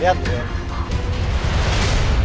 liat gue ya